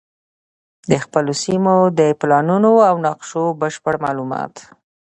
د خپلو سیمو د پلانونو او نقشو بشپړ معلومات